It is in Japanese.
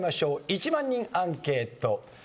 １万人アンケートアニメ